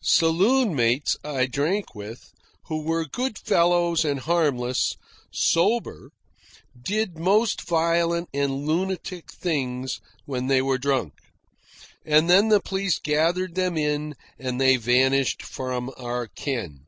Saloon mates I drank with, who were good fellows and harmless, sober, did most violent and lunatic things when they were drunk. And then the police gathered them in and they vanished from our ken.